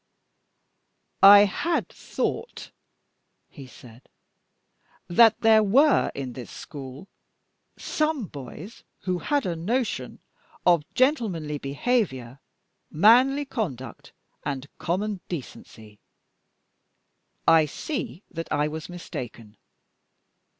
"I had thought," he said, "that there were in this school some boys who had a notion of gentlemanly behaviour, manly conduct, and common decency. I see that I was mistaken.